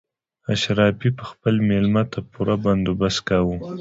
اشرافي به خپل مېلمه ته پوره بندوبست کاوه.